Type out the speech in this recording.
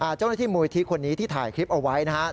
เจ้าหน้าที่มูลที่คนนี้ที่ถ่ายคลิปเอาไว้นะครับ